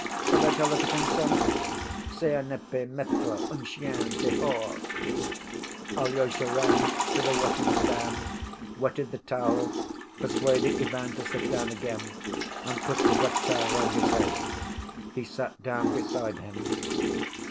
Shall I tell her to bring some? C'est à ne pas mettre un chien dehors...." Alyosha ran to the washing‐stand, wetted the towel, persuaded Ivan to sit down again, and put the wet towel round his head. He sat down beside him.